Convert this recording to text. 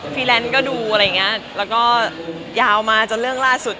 แลนซ์ก็ดูอะไรอย่างเงี้ยแล้วก็ยาวมาจนเรื่องล่าสุด